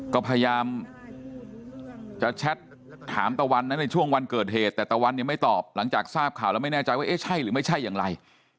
ก็พยายามจะแชทถามตะวันนะในช่วงวันเกิดเหตุแต่ตะวันเนี่ยไม่ตอบหลังจากทราบข่าวแล้วไม่แน่ใจว่าเอ๊ะใช่หรือไม่ใช่อย่างไร